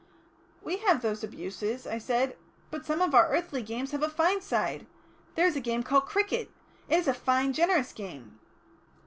"We have those abuses," I said, "but some of our earthly games have a fine side. There is a game called cricket. It is a fine, generous game."